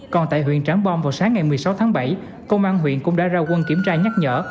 còn tại huyện trảng bom vào sáng ngày một mươi sáu tháng bảy công an huyện cũng đã ra quân kiểm tra nhắc nhở